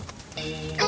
keh gini ya